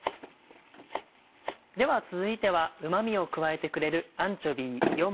では続いてはうま味を加えてくれる。